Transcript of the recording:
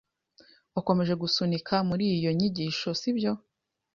Wakomeje gusunika muri iyo nyigisho, sibyo?